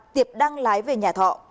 tiệp đang lái về nhà thọ